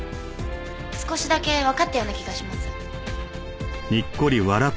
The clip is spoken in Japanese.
少しだけわかったような気がします。